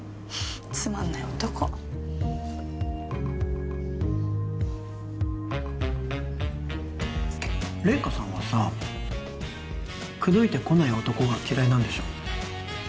つまんない男怜華さんはさ口説いてこない男が嫌いなんでしょ